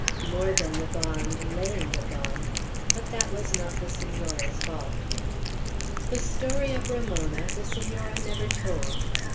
More than the bond lay in the bond; but that was not the Senora's fault. The story of Ramona the Senora never told.